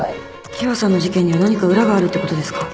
喜和さんの事件には何か裏があるってことですか？